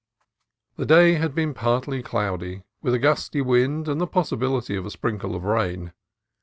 The day had been partly cloudy, with a gusty wind and the possibility of a sprinkle of rain.